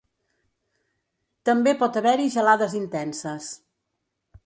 També pot haver-hi gelades intenses.